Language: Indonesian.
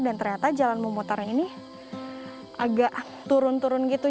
dan ternyata jalan memotarnya ini agak turun turun gitu